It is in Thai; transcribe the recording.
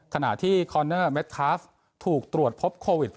ขณะที่คอนเนอร์เม็ดทราฟถูกตรวจพบโควิด